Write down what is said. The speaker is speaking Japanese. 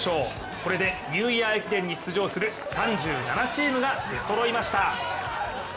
これでニューイヤー駅伝に出場する３７チームが出そろいました。